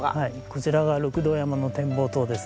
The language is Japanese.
こちらが六道山の展望塔です。